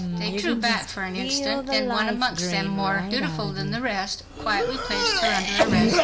They drew back for an instant. Then one amongst them, more "dutiful" than the rest, quietly placed her under arrest.